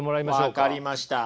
分かりました。